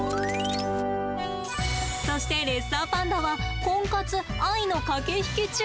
そしてレッサーパンダはコンカツ愛の駆け引き中。